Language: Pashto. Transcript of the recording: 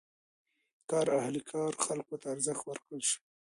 د کار اهل خلکو ته ارزښت ورکړل شو.